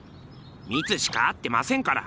「ミツ」しか合ってませんから。